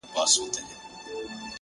د نورو د ستم په گيلاسونو کي ورک نه يم؛